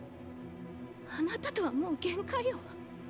あなたとはもう限界よ。